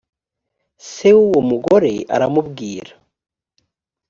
se w uwo mugore aramubwira